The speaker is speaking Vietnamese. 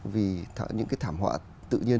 vì những cái thảm họa tự nhiên